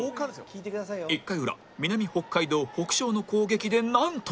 １回裏南北海道北照の攻撃でなんと